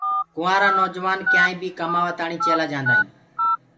ڪنٚوُآرآ نوجوآن ڪيآئينٚ بي ڪمآوآ تآڻي چيلآ جآندآ هينٚ۔